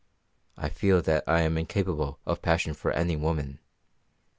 I feel that I am incapable of passion for any woman.